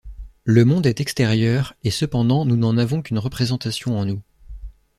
Le monde est extérieur et cependant nous n'en avons qu'une représentation en nous.